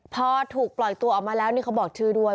พอถูกปล่อยตัวออกมาแล้วนี่เขาบอกชื่อด้วย